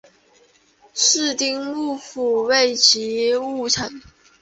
室町幕府末期幕臣。